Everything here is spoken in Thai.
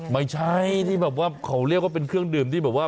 ไม่ใช่ที่แบบว่าเขาเรียกว่าเป็นเครื่องดื่มที่แบบว่า